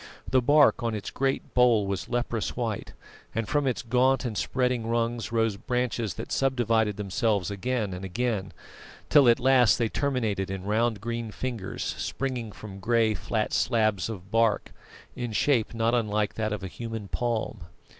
The bark on its great bole was leprous white; and from its gaunt and spreading rungs rose branches that subdivided themselves again and again, till at last they terminated in round green fingers, springing from grey, flat slabs of bark, in shape not unlike that of a human palm.